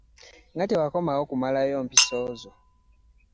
Nga tewakomawo kumalayo mpiso zo?